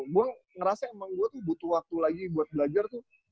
gue ngerasa emang gue tuh butuh waktu lagi buat belajar tuh